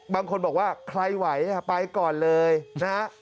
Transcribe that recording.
บางคนบอกว่าใครไหวไปก่อนเลยนะฮะ